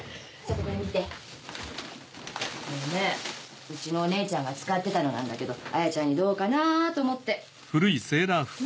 これね家のお姉ちゃんが使ってたのなんだけど絢ちゃんにどうかな？と思って。